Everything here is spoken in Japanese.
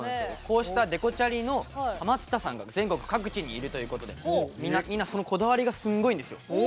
こうしたデコチャリのハマったさんが全国各地にいるということでみんなそのこだわりがすごいんですよ。